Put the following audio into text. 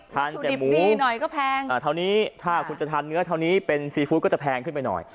ทานแต่หมูถาวนี้ถ้าคุณทานเนื้อเท่านี้เป็นซีฟู้ดก็จะแพงขึ้นไปหน่อย